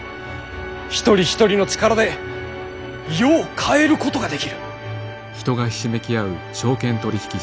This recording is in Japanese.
一人一人の力で世を変えることができる。